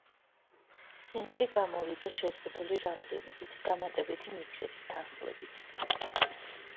სინგლი გამოვიდა შეზღუდული რაოდენობით, დამატებითი მიქსების თანხლებით.